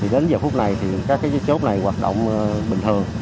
đến giờ phút này thì các chốt này hoạt động bình thường